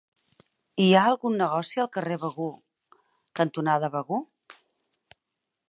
Hi ha algun negoci al carrer Begur cantonada Begur?